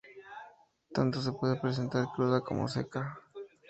Tanto se puede presentar cruda como seca.